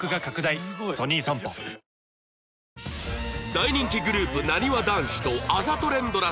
大人気グループなにわ男子とあざと連ドラ